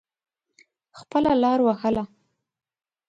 خپله لاره وهله.